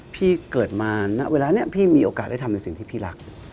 พี่เกิดมาณเวลานี้พี่มีโอกาสได้ทำในสิ่งที่พี่รัก